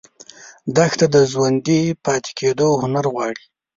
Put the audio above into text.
دښته د ژوندي پاتې کېدو هنر غواړي.